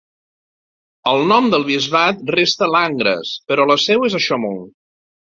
El nom del bisbat resta Langres, però la seu és a Chaumont.